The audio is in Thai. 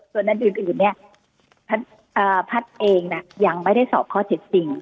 ส่วนอันอื่นเนี่ยพัฒน์เองยังไม่ได้สอบข้อเท็จจริง